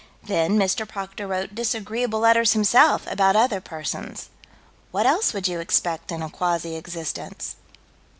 Then Mr. Proctor wrote disagreeable letters, himself, about other persons what else would you expect in a quasi existence?